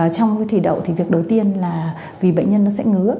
trong cái thủy đậu thì việc đầu tiên là vì bệnh nhân nó sẽ ngứa